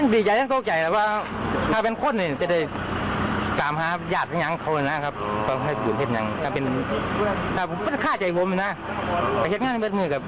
ภายลูกคุ้มต่อมาดูมันเป็นคนบอก